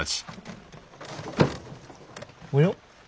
おや？